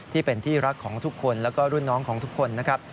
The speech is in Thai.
ที่เป็นที่รักของทุกคนแล้วก็รุ่นน้องของทุกคนนะครับ